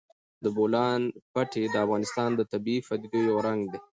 د بولان پټي د افغانستان د طبیعي پدیدو یو رنګ دی.